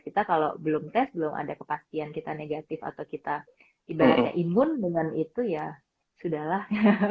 kita kalau belum tes belum ada kepastian kita negatif atau kita ibaratnya imun dengan itu ya sudah lah